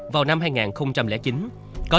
vào năm hai nghìn chín có diễn ra một vụ bán chất cấm